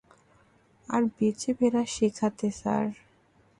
আর বেঁচে ফেরা শেখাতে, স্যার।